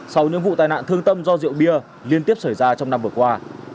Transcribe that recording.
sau những vụ tai nạn thương tâm do rượu bia liên tiếp xảy ra trong năm vừa qua